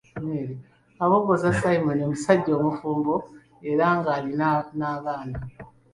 Kabogoza Simon musajja mufumbo era nga alina n'abaana.